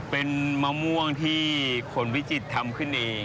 เป็นมะม่วงที่คนวิจิตรทำขึ้นเอง